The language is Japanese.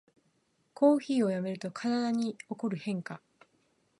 コーヒーをやめると体に起こる変化